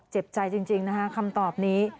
เจ็บใจจริงคำตอบนี้